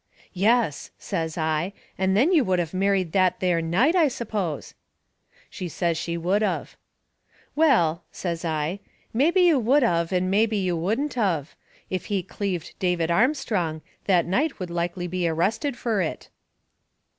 "Yes," says I, "and then you would of married that there night, I suppose." She says she would of. "Well," says I, "mebby you would of and mebby you wouldn't of. If he cleaved David Armstrong, that night would likely be arrested fur it."